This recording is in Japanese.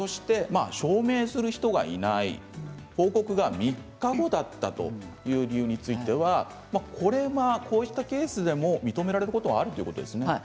証明する人がいない報告が３日後だったという理由についてはこういったケースでも認められることはあるんですね。